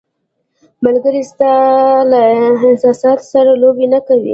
ملګری ستا له احساساتو سره لوبې نه کوي.